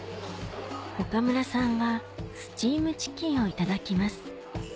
岡村さんはスチームチキンをいただきます